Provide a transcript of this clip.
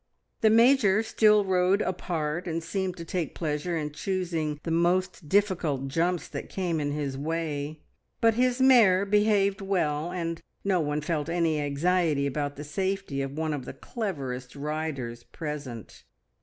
The Major still rode apart, and seemed to take pleasure in choosing the most difficult jumps that came in his way; but his mare behaved well, and no one felt any anxiety about the safety of one of the cleverest riders present.